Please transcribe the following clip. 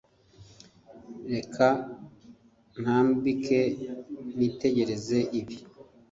reka ntambike nitegereze ibi